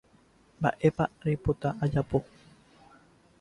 Mba'épa reipota ajapo